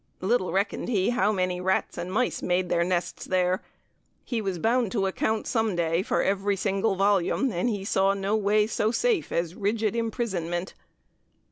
Little recked he how many rats and mice made their nests there; he was bound to account some day for every single volume, and he saw no way so safe as rigid imprisonment.